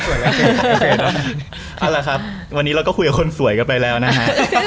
เอาละครับวันนี้เราก็คุยกับคนสวยกันไปแล้วนะฮะ